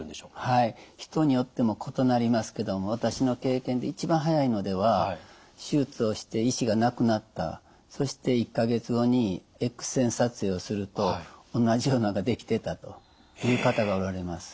はい人によっても異なりますけども私の経験で一番早いのでは手術をして石が無くなったそして１か月後にＸ線撮影をすると同じようなのができてたという方がおられます。